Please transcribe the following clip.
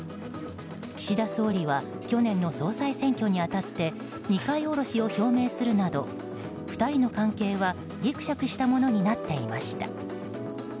岸田総理は去年の総裁選挙に当たって二階おろしを表明するなど２人の関係はぎくしゃくしたものになっていました。